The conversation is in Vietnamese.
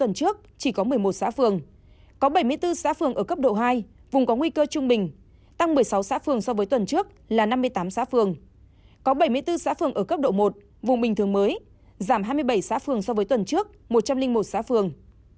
và năm mươi tám xã phường có bảy mươi bốn xã phường ở cấp độ một vùng bình thường mới giảm hai mươi bảy xã phường so với tuần trước một trăm linh một xã phường